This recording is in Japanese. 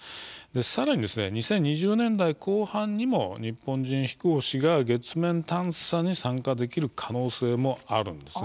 さらに２０２０年代後半にも日本人飛行士が月面探査に参加できる可能性もあるんです。